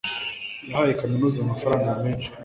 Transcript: Yahaye kaminuza amafaranga menshi.